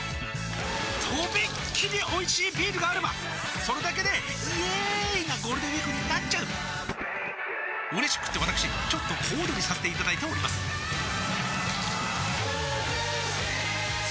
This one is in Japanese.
とびっきりおいしいビールがあればそれだけでイエーーーーーイなゴールデンウィークになっちゃううれしくってわたくしちょっと小躍りさせていただいておりますさあ